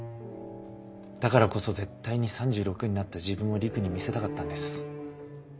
だからこそ絶対に３６になった自分を璃久に見せたかったんです。